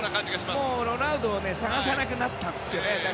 もうロナウドを探さなくなったんですね。